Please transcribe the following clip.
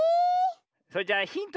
それじゃあヒント